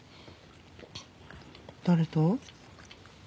誰と？